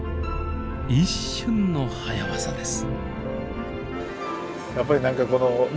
一瞬の早ワザです。